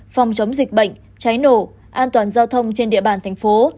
phòng chống dịch bệnh cháy nổ an toàn giao thông trên địa bàn thành phố